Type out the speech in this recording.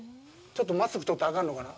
ちょっとマスク取ったらあかんのかな？